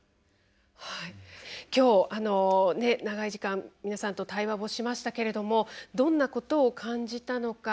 今日長い時間皆さんと対話をしましたけれどもどんなことを感じたのか。